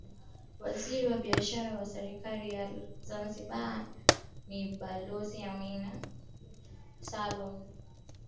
Waziri wa Biashara wa Serikali ya Zanzibar ni Balozi Amina Salum